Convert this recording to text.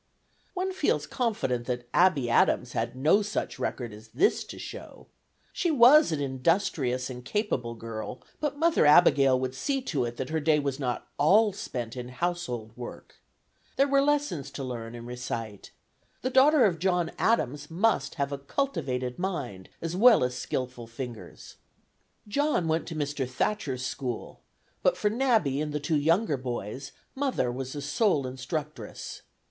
One feels confident that Abby Adams had no such record as this to show. She was an industrious and capable girl, but Mother Abigail would see to it that her day was not all spent in household work. There were lessons to learn and recite; the daughter of John Adams must have a cultivated mind, as well as skilful fingers. John went to Mr. Thatcher's school, but for "Nabby" and the two younger boys, "Mother" was the sole instructress.